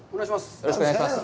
よろしくお願いします。